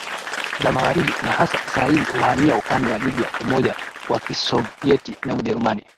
za magharibi na hasa Israeli kuhamia upande wa Libya Umoja wa Kisovyeti na Ujerumani